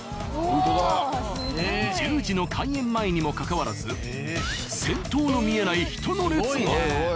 １０時の開園前にもかかわらず先頭の見えない人の列が。